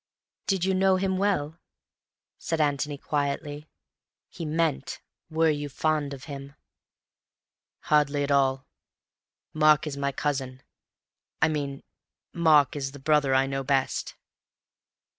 "Did you know him well?" said Antony quietly. He meant, "Were you fond of him?" "Hardly at all. Mark is my cousin. I mean, Mark is the brother I know best."